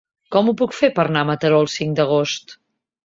Com ho puc fer per anar a Mataró el cinc d'agost?